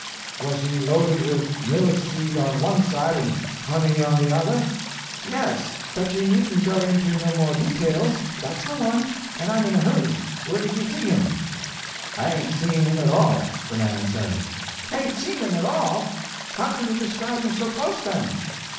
"Was he loaded with millet seed on one side and honey on the other?" "Yes, but you needn't go into no more details—that's the one, and I'm in a hurry. Where did you see him?" "I hain't seen him at all," the man says. "Hain't seen him at all? How can you describe him so close, then?"